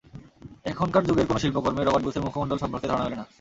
এখনকার যুগের কোনো শিল্পকর্মে রবার্ট ব্রুসের মুখমণ্ডল সম্পর্কে ধারণা মেলে না।